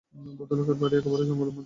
ভদ্রলোকের বাড়ি একেবারে জঙ্গলের মধ্যে।